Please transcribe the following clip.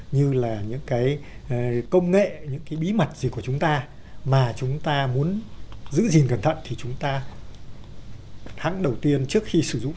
như là những cái công nghệ những cái bí mật gì của chúng ta mà chúng ta muốn giữ gìn cẩn thận thì chúng ta hãng đầu tiên trước khi sử dụng